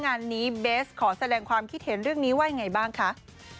งานนี้เบสขอแสดงความคิดเห็นเรื่องนี้ว่ายังไงบ้างคะ